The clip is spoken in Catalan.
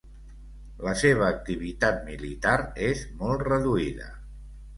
La seva activitat militar és molt reduïda.